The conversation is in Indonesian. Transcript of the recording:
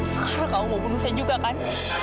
sekarang kamu mau bunuh saya juga kan